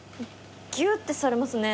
ギュッてされますね。